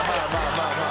まあまあ。